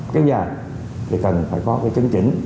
cái nhà thì cần phải có cái chứng chỉnh